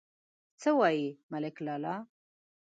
_څه وايي، ملک لالا؟